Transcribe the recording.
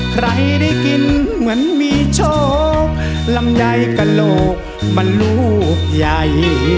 ใครได้กินเหมือนมีโชคลำไยกระโหลกมันลูกใหญ่